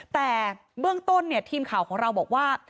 แต่เบื้องต้นเนี่ยทีมข่าวของเราบอกว่า